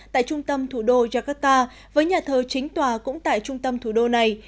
tại trung tâm thủ đô jakarta với nhà thờ chính tòa cũng tại trung tâm thủ đô này